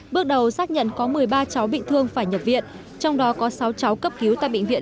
bước đầu xác nhận có một mươi ba cháu bị thương phải nhập viện trong đó có sáu cháu cấp cứu tại bệnh viện